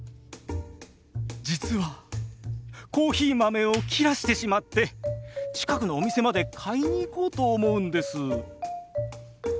実はコーヒー豆を切らしてしまって近くのお店まで買いに行こうと思うんです。